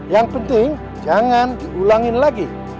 yang penting jangan diulangin lagi